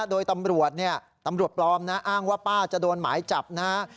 โดยตำรวจปลอมอ้างว่าป้าจะโดนหมายจับนะฮะ